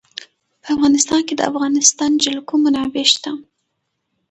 په افغانستان کې د د افغانستان جلکو منابع شته.